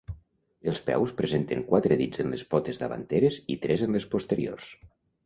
Els peus presenten quatre dits en les potes davanteres i tres en les posteriors.